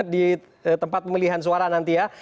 di tempat pemilihan suara nanti ya